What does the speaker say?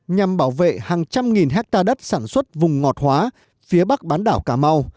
nhằm bảo vệ hàng trăm nghìn hectare đất sản xuất vùng ngọt hóa phía bắc bán đảo cà mau